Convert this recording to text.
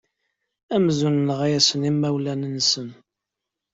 Amzun nenɣa-asen imawlan-nsen.